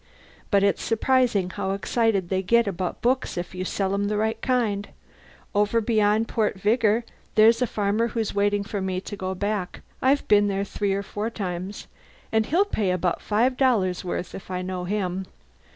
But it's surprising how excited they get about books if you sell 'em the right kind. Over beyond Port Vigor there's a farmer who's waiting for me to go back I've been there three or four times and he'll buy about five dollars' worth if I know him.